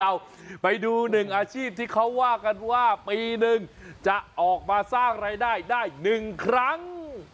เอาไปดูหนึ่งอาชีพที่เขาว่ากันว่าปีหนึ่งจะออกมาสร้างรายได้ได้๑ครั้ง